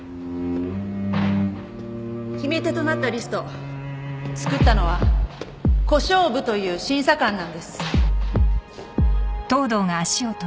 決め手となったリスト作ったのは小勝負という審査官なんです。